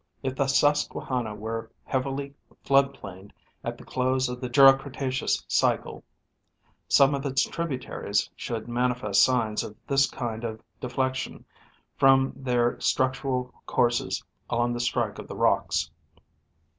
If the Susquehanna were heavily flood plained at the close of the Jura Cretaceous cycle, some of its tributaries should manifest signs of this kind of deflection from their structural courses along the strike of the rocks.